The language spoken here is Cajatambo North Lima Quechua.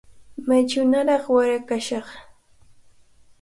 Maychawnaraq wara kashaq.